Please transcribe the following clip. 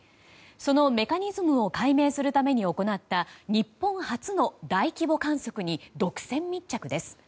そのメカニズムを解明するために行った日本初の大規模観測に独占密着です。